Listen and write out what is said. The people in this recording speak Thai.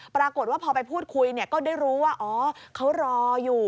ปรากฏว่าพอไปพูดคุยก็ได้รู้ว่าอ๋อเขารออยู่